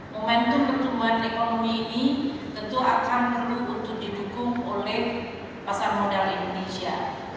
momentum pertumbuhan ekonomi ini tentu akan perlu untuk didukung oleh pasar modal indonesia